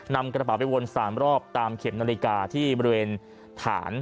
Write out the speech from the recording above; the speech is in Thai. นำกระเป๋าไปวน๓รอบตามเข็มนาฬิกาที่บริเวณฐาน